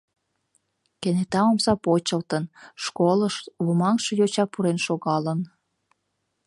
Кенета омса почылтын, школыш лумаҥше йоча пурен шогалын.